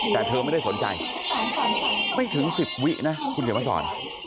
แต่เธอไม่ได้สนใจไม่ถึง๑๐วินะคุณเขียนมาสอน